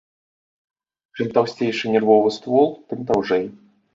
Чым таўсцейшы нервовы ствол, тым даўжэй.